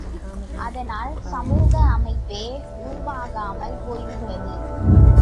அதனால் சமூக அமைப்பே உருவாகாமல் போய்விட்டது.